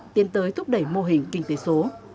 tiến tới thúc đẩy mô hình kinh tế số